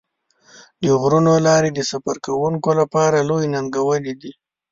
د غرونو لارې د سفر کوونکو لپاره لویې ننګونې دي.